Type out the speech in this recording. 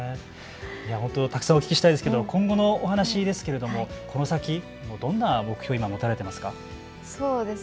たくさんお聞きしたいですけど今後のお話ですけれどもこの先、どんな目標を今、持たれていますか。